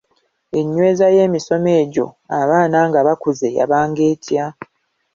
Enyweza y’emisomo egyo abaana nga bakuze yabanga etya?